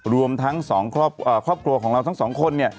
รวมทั้ง๒ครอบครัวของเราทั้งสองคน